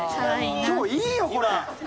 今日いいよほら。